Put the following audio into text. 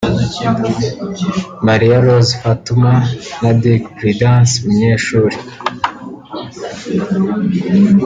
Marie Rose Fatuma na Dick Prudence Munyeshuli